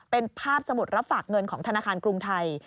เป็นภาพสมุดรับฝากเงินของธนาคารกรุงไทย